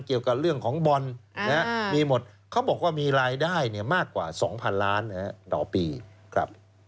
เกี่ยวกับเรื่องของบอลมีหมดเขาบอกว่ามีรายได้มากกว่า๒๐๐๐ล้านต่อปีครับ